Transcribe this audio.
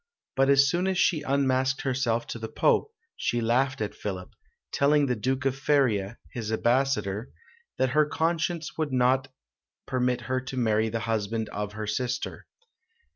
But as soon as she unmasked herself to the pope, she laughed at Philip, telling the Duke of Feria, his ambassador, that her conscience would not permit her to marry the husband of her sister."